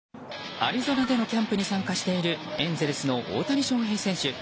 アリゾナでのキャンプに参加しているエンゼルスの大谷翔平選手。